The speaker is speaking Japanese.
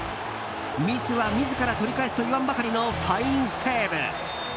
ミスは自ら取り返すといわんばかりのファインセーブ！